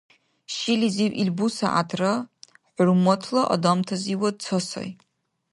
Шилизив ил бусягӀятра хӀурматла адамтазивад ца сай.